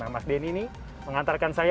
mas denny ini mengantarkan saya